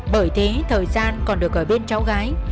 bởi thế thời gian còn được ở bên cháu gái